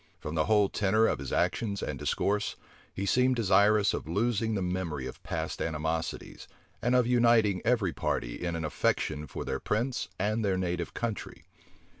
From the whole tenor of his actions and discourse, he seemed desirous of losing the memory of past animosities, and of uniting every party in an affection for their prince and their native country.